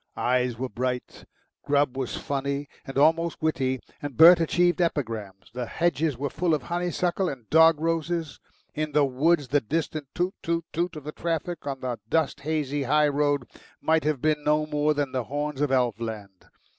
Eyes were bright, Grubb was funny and almost witty, and Bert achieved epigrams; the hedges were full of honeysuckle and dog roses; in the woods the distant toot toot toot of the traffic on the dust hazy high road might have been no more than the horns of elf land.